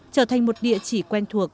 trở thành một địa chỉ quen thuộc